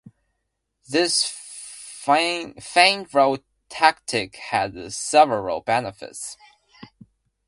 This feigned rout tactic had several benefits.